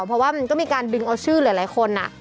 เพราะว่ามันก็มีการดึงเอาชื่อหลายคน